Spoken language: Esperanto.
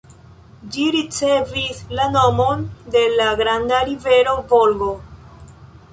Ĝi ricevis la nomon de la granda rivero Volgo.